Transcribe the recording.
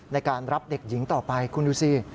ในการรับเด็กหญิงต่อไปคุณดูสิ